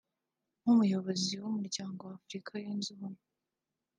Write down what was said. nk’umuyobozi w’Umuryango wa Afurika Yunze Ubumwe